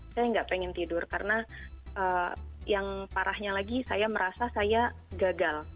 saya nggak pengen tidur karena yang parahnya lagi saya merasa saya gagal